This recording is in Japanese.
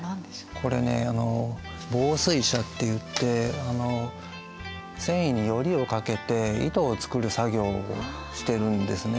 これねあの紡錘車っていって繊維にヨリをかけて糸を作る作業をしてるんですね。